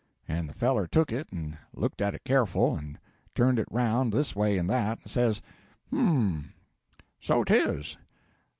And the feller took it, and looked at it careful, and turned it round this way and that, and says, 'H'm so 'tis.